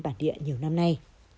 bản địa nhiều năm nay